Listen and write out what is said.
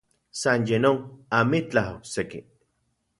San ye non, amitlaj okse-ki.